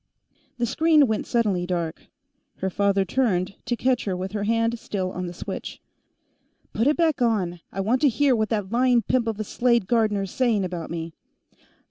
The screen went suddenly dark. Her father turned, to catch her with her hand still on the switch. "Put it back on; I want to hear what that lying pimp of a Slade Gardner's saying about me!"